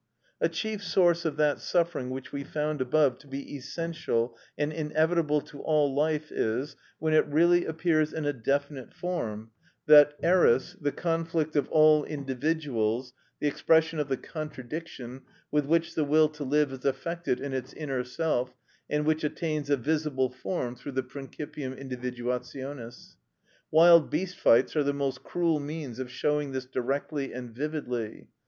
A chief source of that suffering which we found above to be essential and inevitable to all life is, when it really appears in a definite form, that Eris, the conflict of all individuals, the expression of the contradiction, with which the will to live is affected in its inner self, and which attains a visible form through the principium individuationis. Wild beast fights are the most cruel means of showing this directly and vividly.